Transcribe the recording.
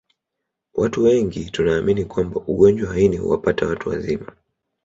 Watu wengi tunaamini kwamba ugonjwa wa ini huwapata watu wazima